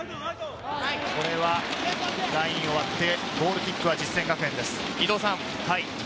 これはラインを割って、ゴールキックは実践学園です。